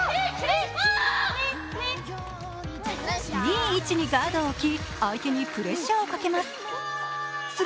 いい位置にガードを置き、相手にプレッシャーをかけます。